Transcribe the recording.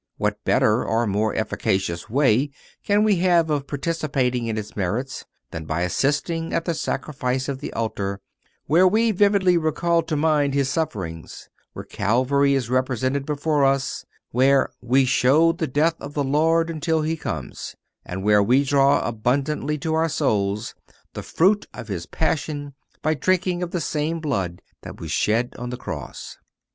What better or more efficacious way can we have of participating in His merits than by assisting at the Sacrifice of the Altar, where we vividly recall to mind His sufferings, where Calvary is represented before us, where "we show the death of the Lord until He come," and where we draw abundantly to our souls the fruit of His Passion by drinking of the same blood that was shed on the cross?